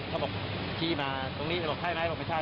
เขาบอกชี้มาตรงนี้เลยบอกใช่ไหมบอกไม่ใช่